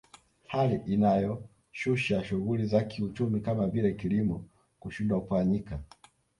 Hali inayoshusha shughuli za kiuchumi kama vile kilimo kushindwa kufanyika